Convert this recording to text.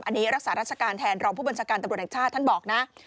อันนี้รักษาราชการแทนรองผู้บัญชาการตำรวจแห่งชาติท่านบอกนะ